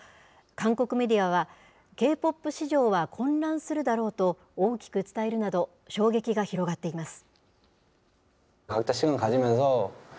韓国メディアは、Ｋ−ＰＯＰ市場は混乱するだろうと大きく伝えるなど、衝撃が広がっています。